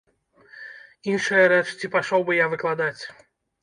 Іншая рэч, ці пайшоў бы я выкладаць.